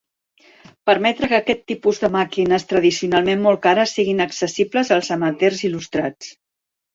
Permetre que aquest tipus de màquines tradicionalment molt cares siguin accessibles als amateurs il·lustrats.